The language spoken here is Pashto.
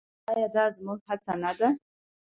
آیا دا زموږ هڅه نه ده؟